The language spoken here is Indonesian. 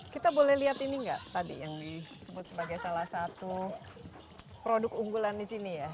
kita boleh lihat ini nggak tadi yang disebut sebagai salah satu produk unggulan di sini ya